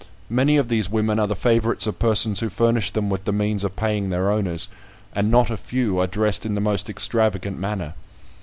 Many of these women are the favourites of persons who furnish them with the means of paying their owners, and not a few are dressed in the most extravagant manner.